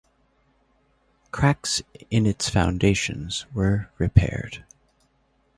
Cracks in its foundations were repaired.